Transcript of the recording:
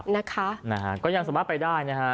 ใช่ค่ะก็ยังสามารถไปได้นะคะ